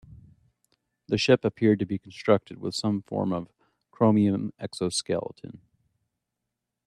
The ship appeared to be constructed with some form of chromium exoskeleton.